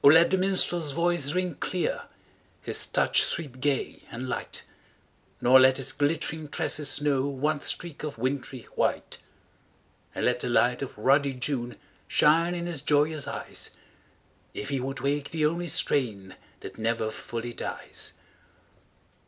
let the minstrePs voice ring clear. His touch sweep gay and light; Nor let his glittering tresses know One streak of wintry white. And let the light of ruddy June Shine in his joyous eyes. If he would wake the only strain That never fully dies